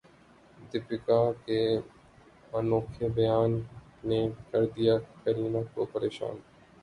دیپیکا کے انوکھے بیان نے کردیا کرینہ کو پریشان